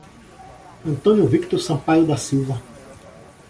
Antônio Victor Sampaio da Silva